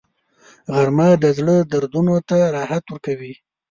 غرمه د زړه دردونو ته راحت ورکوي